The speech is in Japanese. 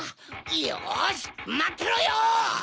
よしまってろよ！